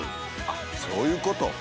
あっそういうこと！